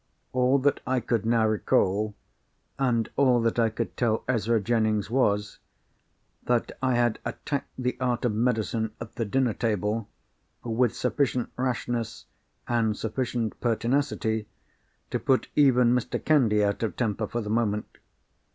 All that I could now recall, and all that I could tell Ezra Jennings was, that I had attacked the art of medicine at the dinner table with sufficient rashness and sufficient pertinacity to put even Mr. Candy out of temper for the moment.